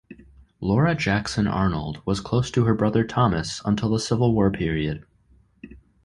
Laura Jackson Arnold was close to her brother Thomas until the Civil War period.